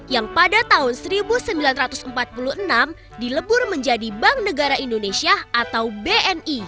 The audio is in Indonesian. yang pada tahun seribu sembilan ratus empat puluh enam dilebur menjadi bank negara indonesia atau bni